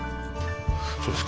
そうですか。